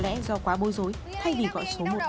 đừng đọng đường đọng đường đọng đường đọng